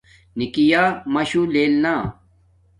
نِکݵ یݳ مَشُݸ لݵل نݳ.